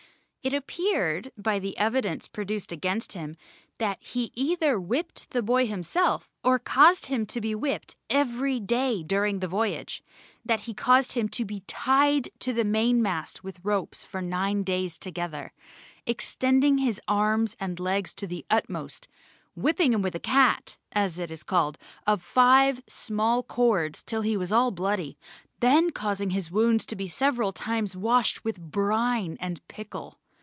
It appeared by the evidence produced against him that he either whipped the boy himself or caused him to be whipped every day during the voyage; that he caused him to be tied to the mainmast with ropes for nine days together, extending his arms and legs to the utmost, whipping him with a cat (as it is called) of five small cords till he was all bloody, then causing his wounds to be several times washed with brine and pickle.